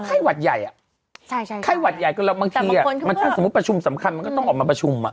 ก็ไข้หวัดใหญ่อ่ะไข้หวัดใหญ่อ่ะหรือบางทีสิฟะสมคัญก็ออกมาประชุม